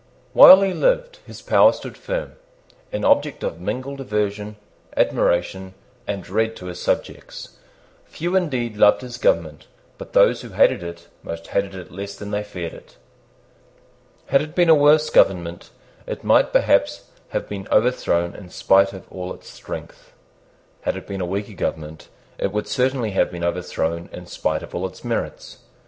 While he lived his power stood firm, an object of mingled aversion, admiration, and dread to his subjects. Few indeed loved his government; but those who hated it most hated it less than they feared it. Had it been a worse government, it might perhaps have been overthrown in spite of all its strength. Had it been a weaker government, it would certainly have been overthrown in spite of all its merits.